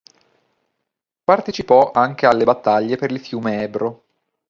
Partecipò anche alle battaglie per il fiume Ebro.